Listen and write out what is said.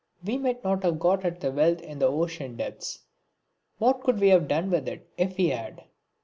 We might not have got at the wealth in the ocean depths what could we have done with it if we had?